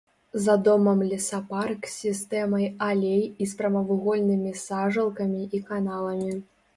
За домам лесапарк з сістэмай алей і з прамавугольнымі сажалкамі і каналамі.